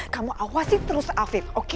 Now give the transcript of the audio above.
kamu awasi terus afif